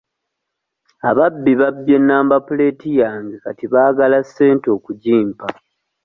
Ababbi babbye namba puleeti yange kati baagala ssente okugimpa.